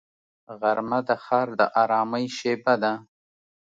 غرمه د ښار د ارامۍ شیبه ده